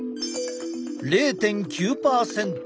０．９％。